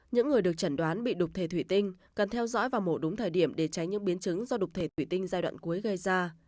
những người được chẩn đoán bị đục thể thủy tinh cần theo dõi và mổ đúng thời điểm để tránh những biến chứng do đục thể thủy tinh giai đoạn cuối gây ra